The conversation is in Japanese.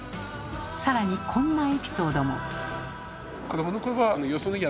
さらにこんなエピソードも。